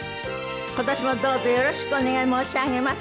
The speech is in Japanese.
今年もどうぞよろしくお願い申し上げます。